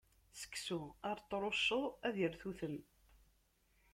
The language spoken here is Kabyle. Seksu, ar t-trucceḍ, ad irtutem.